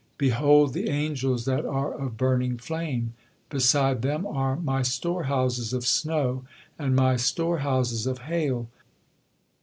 Behold, the angels that are of burning flame. Beside them are My store houses of snow and My store houses of hail.